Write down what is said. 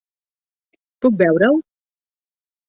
Puc veure-ho?